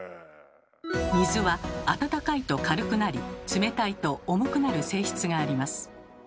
水は温かいと軽くなり冷たいと重くなる性質があります。